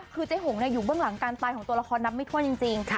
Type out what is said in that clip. คือเจ๊หงอยู่เบื้องหลังการตายของตัวละครนับไม่ถ้วนจริง